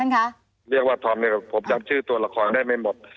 ค่ะท่านค่ะอ่ะท่านค่ะเรียกว่าผมจับชื่อตัวละครได้ไม่หมด